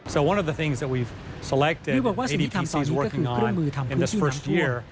นี่บอกว่าสิ่งที่ทำตอนนี้ก็คือเครื่องมือทำพื้นที่น้ำท่วม